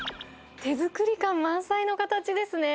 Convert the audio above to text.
手作り感満載の形ですね。